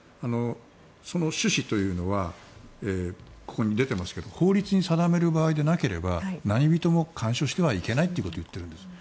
その趣旨というのはここに出てますけど法律に定める場合でなければ何人も干渉してはいけないと言っているんですよ。